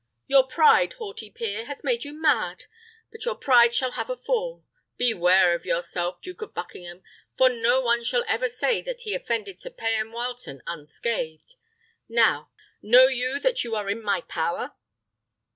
Your pride, haughty peer, has made you mad, but your pride shall have a fall. Beware of yourself, Duke of Buckingham, for no one shall ever say that he offended Sir Payan Wileton unscathed. Know you that you are in my power?"